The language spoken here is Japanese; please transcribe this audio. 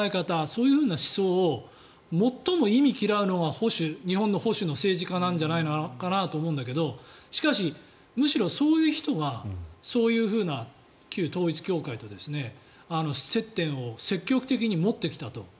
そういう思想を最も忌み嫌うのが日本の保守の政治家なんじゃないかと思うけどしかし、むしろそういう人がそういうふうな旧統一教会と接点を積極的に持ってきたと。